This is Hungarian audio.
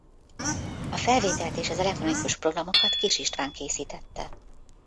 A felvételt és az elektronikus programokat Kiss István készítette.